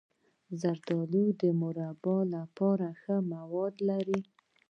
زردالو د مربا لپاره ښه مواد لري.